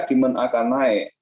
dimenya akan naik